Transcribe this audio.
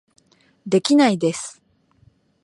できないです